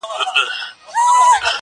تر ديواله لاندي ټوټه، د خپل کفن را باسم~